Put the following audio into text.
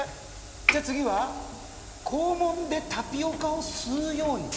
「じゃあ次は肛門でタピオカを吸うように」。